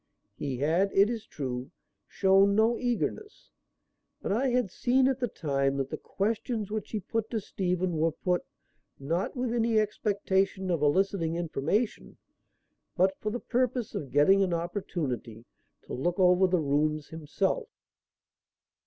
He had, it is true, shown no eagerness, but I had seen at the time that the questions which he put to Stephen were put, not with any expectation of eliciting information but for the purpose of getting an opportunity to look over the rooms himself.